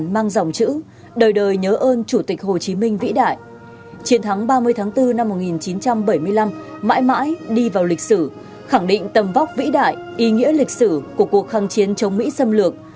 mãi mãi đi vào lịch sử khẳng định tầm vóc vĩ đại ý nghĩa lịch sử của cuộc khăng chiến chống mỹ xâm lược